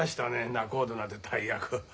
仲人なんて大役。